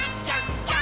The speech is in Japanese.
ジャンプ！！